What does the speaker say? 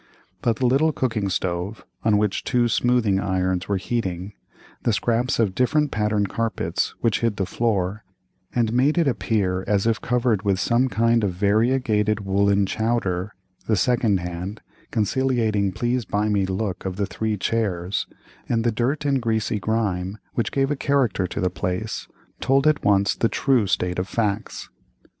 But the little cooking stove, on which two smoothing irons were heating, the scraps of different patterned carpets which hid the floor, and made it appear as if covered with some kind of variegated woollen chowder, the second hand, conciliating please buy me look of the three chairs, and the dirt and greasy grime which gave a character to the place, told at once the true state of facts.